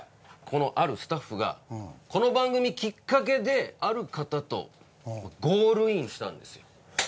このあるスタッフがこの番組きっかけである方とゴールインしたんですよ。